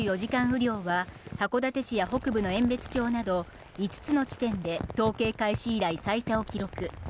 雨量は函館市や北部の遠別町など５つの時点で統計開始以来、最多を記録。